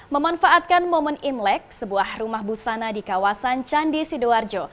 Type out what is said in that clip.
memanfaatkan momen imlek sebuah rumah busana di kawasan candi sidoarjo